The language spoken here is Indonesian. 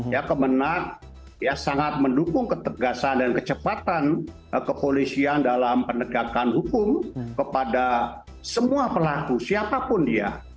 ya kemenang ya sangat mendukung ketegasan dan kecepatan kepolisian dalam penegakan hukum kepada semua pelaku siapapun dia